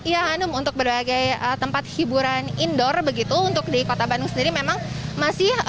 ya hanum untuk berbagai tempat hiburan indoor begitu untuk di kota bandung sendiri memang masih